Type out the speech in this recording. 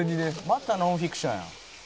「また『ノンフィクション』や」